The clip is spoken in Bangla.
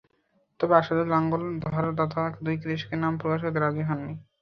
তবে আসাদুল লাঙল ধারদাতা দুই কৃষকের নাম প্রকাশ করতে রাজি হননি।